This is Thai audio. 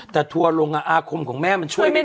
แต่ทัวร์ลงอาคมของแม่มันช่วยไม่ได้